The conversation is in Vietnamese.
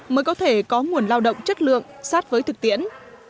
mới có thể có nguồn lao động chất lượng sát với thực tiễn